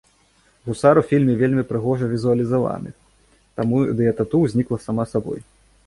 Гусар у фільме вельмі прыгожа візуалізаваны, таму ідэя тату ўзнікла сама сабой.